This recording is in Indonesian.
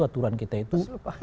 aturan kita itu